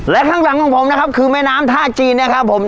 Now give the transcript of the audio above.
และข้างหลังของผมนะครับคือแม่น้ำท่าจีนนะครับผม